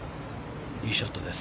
いいショットです。